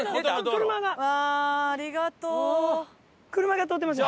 車が通ってました。